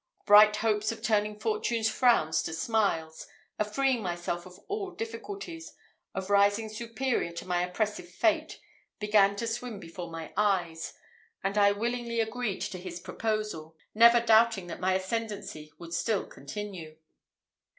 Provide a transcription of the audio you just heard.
Bright hopes of turning Fortune's frowns to smiles, of freeing myself of all difficulties, of rising superior to my oppressive fate, began to swim before my eyes; and I willingly agreed to his proposal, never doubting that my ascendancy would still continue.